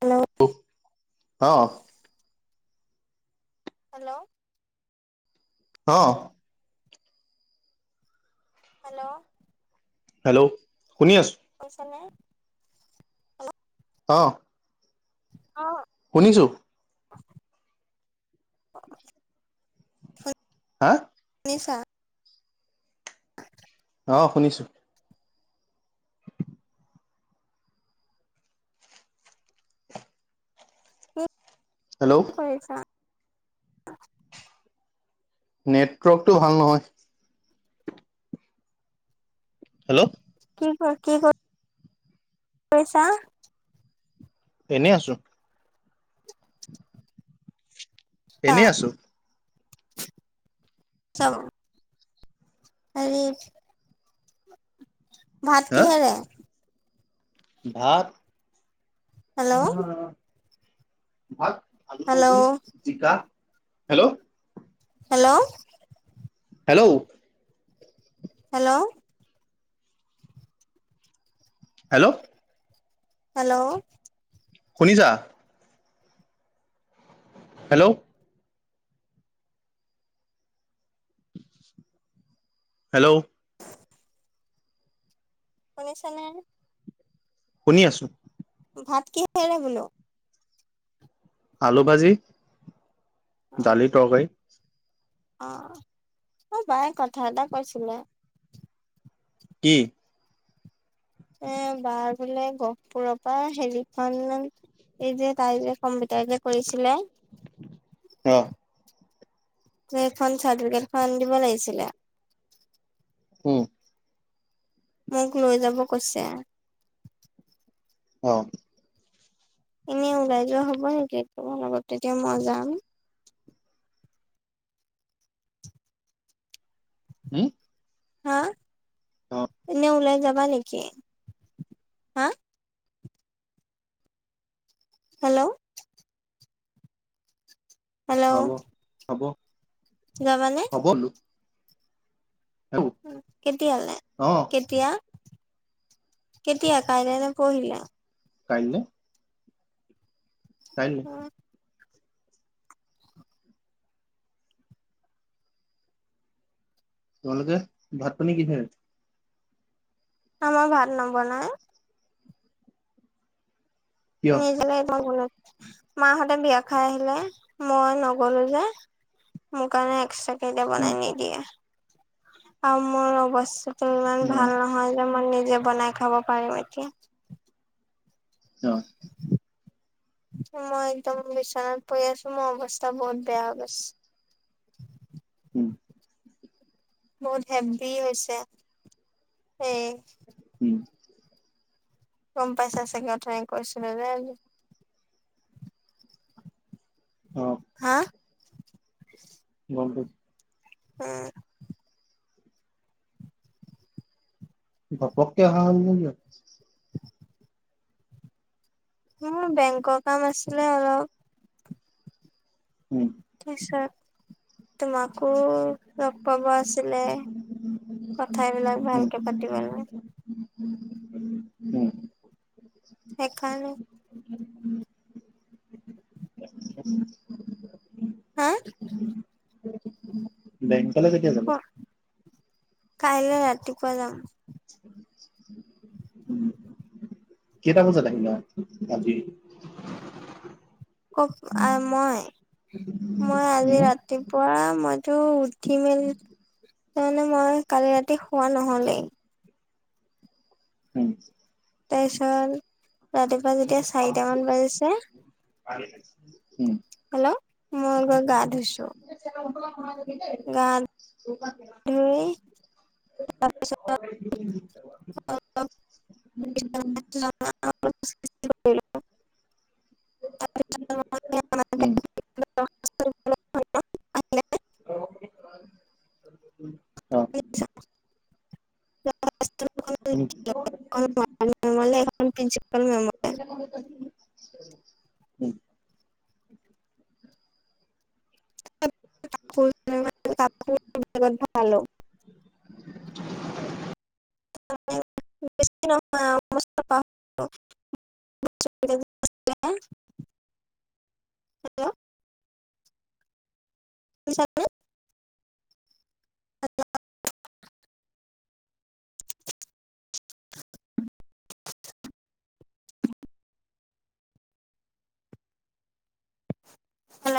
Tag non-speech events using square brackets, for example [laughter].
Hello [unintelligible] অ'। Hello! অ'। Hello! Hello! শুনি আছ [unintelligible] হেল্ল'! অ'। অ' শুনিছোঁ। হা ছা অ' শুনিছোঁ। হেল্ল' কি কৰি আছা? নেটৱৰ্কটো ভাল নহয়। হেল্ল' কি কি কৰি কি কৰিছা? এনেই আছোঁ। এনেই আছোঁ। চাহ ল'ম হেৰি। ভাত হা কিহেৰে? ভাত হেল্ল' [unintelligible] ভাত। আলুভাজি, হেল্ল' জিকা, hello! Hello hello hello. Hello. Hello. শুনিছা? হেল্ল'। হেল্ল'। শুনিছানে? শুনি আছো। ভাত কিহেৰে বোলো? আলু ভাজি দালি তৰকাৰী। আহ, অ' বাই কথা এটা কৈছিলে। কি এ বাৰ বোলে গহপুৰৰ পৰা হেৰিখন এই যে তাই যে কম্পিউটাৰ যে কৰিছিলে। আহ। খন চাৰ্টিফিকেটখন দিব লাগিছিলে। উম। মোক লৈ যাব কৈছে। অ'। এনে ওলাই যোৱা হ'ব নে? তোমাৰ লগত তেতিয়া মই যাম। হম। হা, এনে ওলাই যাবা নেকি? হা? হেল্ল'। হেল্ল'। হ'ব হ'ব যাবানে? হ'ব বোলো কেতিয়ালে অ', কেতিয়া? কেতিয়া কাইলৈ নে পৰহিলে? কাইলে। কাইলে উম। তোমালোকে ভাত পানী কিহেৰে? আমাৰ ভাত নৱনাই। কিয় নিজে এইখন বনাম। মাহঁতে বিয়া খাই আহিলে। মই নগলো যে মোৰ কাৰণে এক্সট্ৰা কেই এতিয়া উম বনাই নিদিয়ে। আৰু মোৰ অৱশেই ত' ইমান উম ভাল নহয় যে মই নিজে বনাই খাব পাৰিম এতিয়া। অ'। মই একদম বিচনাত পৰি আছো মোৰ অৱস্থা বহুত বেয়া গৈছে। [inaudible] উম। বহুত হেভি হৈছে। এ উম। কম পাইচা চাগে উঠনি কৈছিলো যে। অ হা? পংকজ উম। ঘপকে অহা হ'ল যে কিয়? [unintelligible] মোৰ বেংকৰ কাম আছিলে অলপ। উম। তাৰপিছত তোমাকো লগ পাব আছিলে? কথ বিলাক উম ভালকে পাতিব নোৱাৰে। উম। সেইকাৰণে হা বেংকলে এতিয়া কিয় যাবা? কাইলৈ ৰাতিপুৱা যাম। উম। কেইটা বজাত আহিলা ৰাতি? কক-আ, মই, মই আজি উম ৰাতিপুৱা মইতো উঠি, মেলি তাৰমানে মই কালি ৰাতি শুৱা নহ'লেই। [unintelligible] তাৰপিছত ৰাতিপুৱা যেতিয়া চাৰিটামান বাজিছে। হেল্ল' মই গৈ গা ধুইছো উম। গা ধুই [inaudible] [inaudible] উম। [inaudible] [unintelligible] [inaudible] উম [inaudible] উম [unintelligible] [unintelligible] [unintelligible] পইচা উলিয়াবলৈ। [unintelligible] [unintelligible] হেল্ল'